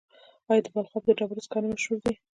آیا د بلخاب د ډبرو سکاره مشهور دي؟